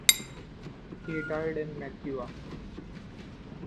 He died in Mantua.